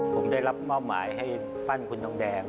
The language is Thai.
ผมได้รับมอบหมายให้ปั้นคุณทองแดง